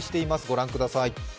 ご覧ください。